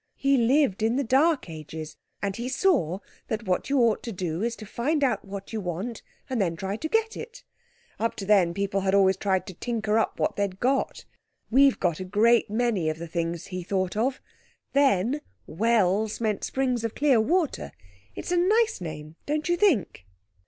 _ He lived in the dark ages, and he saw that what you ought to do is to find out what you want and then try to get it. Up to then people had always tried to tinker up what they'd got. We've got a great many of the things he thought of. Then 'Wells' means springs of clear water. It's a nice name, don't you think?"